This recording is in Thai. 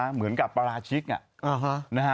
เหมือนกับปราชิก